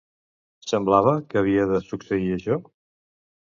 Semblava que havia de succeir això?